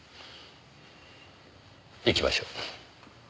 行きましょう。